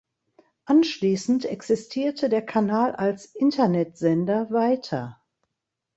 Anschließend existierte der Kanal als Internetsender weiter.